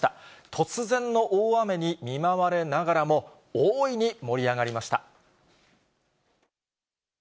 突然の大雨に見舞われながらも、大いに盛り上がりました。